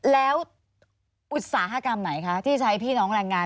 แล้วอุตสาหกรรมไหนคะที่ใช้พี่น้องแรงงาน